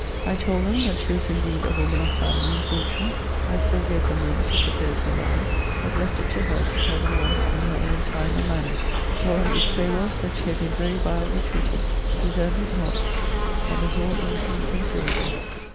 I told them, that she was indeed a woman of family and fortune: I still gave them room to suppose her married: but left it to her to tell them all in her own time and manner: all I would say was, that she had been very vilely treated; deserved it not; and was all innocence and purity.